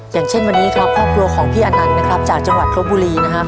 อย่างเช่นวันนี้ครับครอบครัวของพี่อนันต์นะครับจากจังหวัดรบบุรีนะครับ